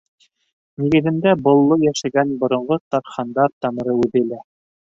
Нигеҙендә болло йәшәгән, боронғо тархандар тамыры үҙе лә.